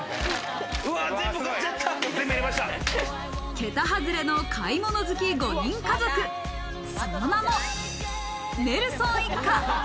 桁外れの買い物好き５人家族、その名もネルソン一家。